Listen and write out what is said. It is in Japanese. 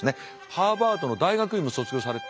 ハーバードの大学院も卒業され。